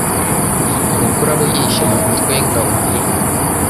Ni ukuri abo yishe ni umutwe wingabo munini